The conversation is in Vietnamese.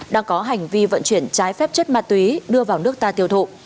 đang có hành vi vận chuyển trái phép chất ma túy đưa vào nước ta tiêu thụ